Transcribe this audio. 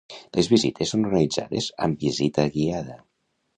Les visites són organitzades amb visita guiada.